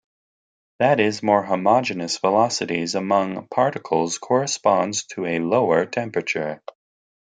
That is, more homogeneous velocities among particles corresponds to a lower temperature.